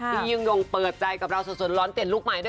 พี่ยิงยงเปิดใจกับเราสนร้อนเตรียร์ลุกใหม่ด้วย